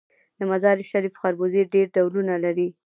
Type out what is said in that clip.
د مزار شریف خربوزې ډیر ډولونه لري.